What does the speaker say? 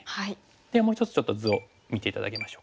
ではもう一つちょっと図を見て頂きましょうかね。